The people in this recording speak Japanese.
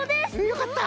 よかった。